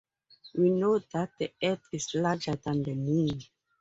We know that the earth is larger than the moon.